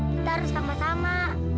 kita harus sama sama